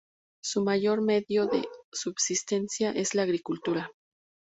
Su mayor medio de subsistencia es la Agricultura.